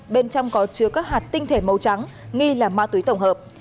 bên trong có chứa các hạt tinh thể màu trắng nghi là ma túy tổng hợp